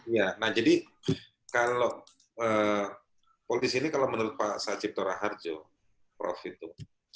iya nah jadi kalau polisi ini kalau menurut pak sachip toraharjo prof itu